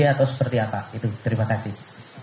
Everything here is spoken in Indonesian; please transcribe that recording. atau seperti apa itu terima kasih